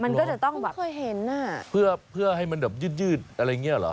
มันก็จะต้องแบบเพื่อให้มันแบบยืดอะไรอย่างนี้เหรอ